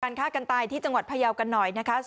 ฆ่ากันตายที่จังหวัดพยาวกันหน่อยนะคะ